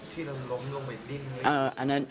ที่ลงลงไปดิ้ง